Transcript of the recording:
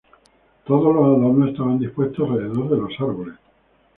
Todos los adornos estaban dispuestos alrededor de los árboles...".